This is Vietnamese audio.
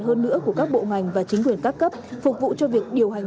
hơn nữa của các bộ ngành và chính quyền các cấp phục vụ cho việc điều hành